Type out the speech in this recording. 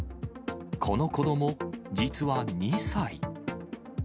この子ども、実は２歳。